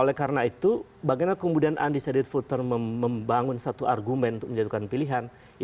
oleh karena itu bagaimana kemudian undecided voter membangun satu argumen untuk menjatuhkan pilihan